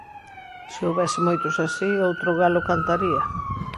Se houbese moitos así, outro galo cantaría.